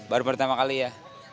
baru pertama kali ya